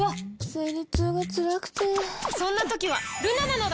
生理痛がつらくてそんな時はルナなのだ！